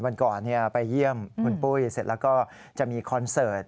วันก่อนไปเยี่ยมคุณปุ้ยเสร็จแล้วก็จะมีคอนเสิร์ต